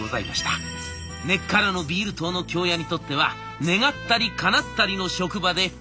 根っからのビール党の京谷にとっては願ったりかなったりの職場で。